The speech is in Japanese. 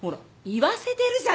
言わせてるじゃない。